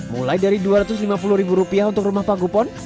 mulai dari rp dua ratus lima puluh ribu rupiah untuk rumah pagupon